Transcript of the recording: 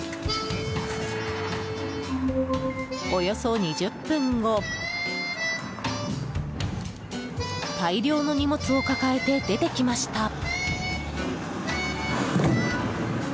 およそ２０分後大量の荷物を抱えて出てきました。